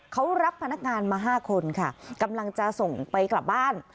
เขารับพนักงานมา๕คนค่ะกำลังจะส่งไปกลับบ้าน